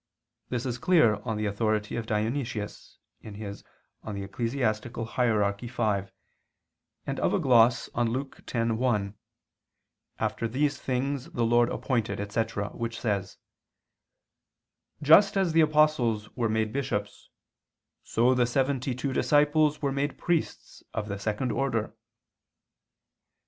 This is clear on the authority of Dionysius (Eccl. Hier. v), and of a gloss on Luke 10:1, "After these things the Lord appointed," etc. which says: "Just as the apostles were made bishops, so the seventy two disciples were made priests of the second order."